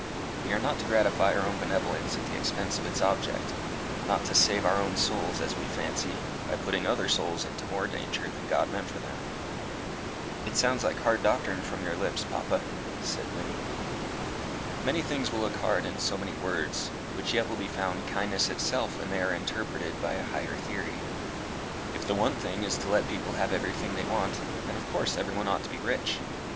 We are not to gratify our own benevolence at the expense of its object not to save our own souls as we fancy, by putting other souls into more danger than God meant for them." "It sounds hard doctrine from your lips, papa," said Wynnie. "Many things will look hard in so many words, which yet will be found kindness itself when they are interpreted by a higher theory. If the one thing is to let people have everything they want, then of course everyone ought to be rich.